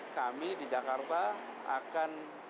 kami di jakarta akan